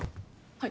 はい。